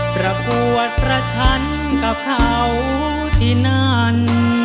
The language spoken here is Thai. ประกวดประชันกับเขาที่นั่น